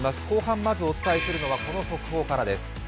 後半まずお伝えするのは、この速報からです。